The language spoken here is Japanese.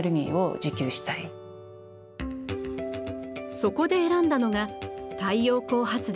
そこで選んだのが太陽光発電。